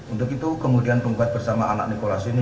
untuk itu kemudian penggugat bersama anak nikolasin